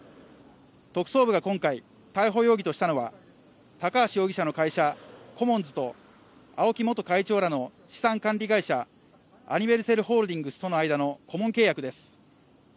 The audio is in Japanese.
特捜部が今回、逮捕容疑としたのは高橋容疑者の会社、コモンズとＡＯＫＩ元会長らの資産管理会社アニヴェルセルホールディングスとの間の顧問契約です。